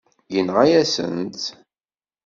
Yenɣa-yasent-tt.